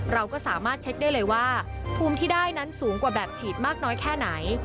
เราก็สามารถเช็คได้เลยว่าภูมิที่ได้นั้นสูงกว่าแบบฉีดมากน้อยแค่ไหน